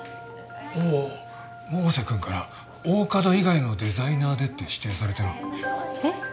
おおおお百瀬くんから大加戸以外のデザイナーでって指定されてなえっ？